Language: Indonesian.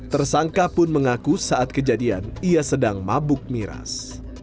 tersangka pun mengaku saat kejadian ia sedang mabuk miras